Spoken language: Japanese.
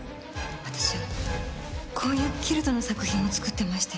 私こういうキルトの作品を作ってまして。